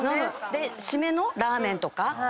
で締めのラーメンとか。